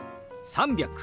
３００。